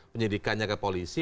penyelidikannya ke polisi